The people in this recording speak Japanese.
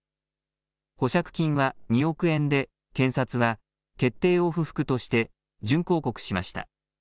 保釈金は２億円で検察は決定を不服として準抗告しました。